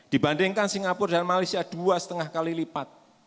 dibandingkan singapura dan malaysia dua lima kali lipat